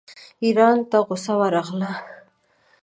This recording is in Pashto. ايراني ته غصه ورغله.